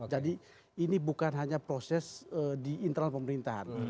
jadi ini bukan hanya proses di internal pemerintahan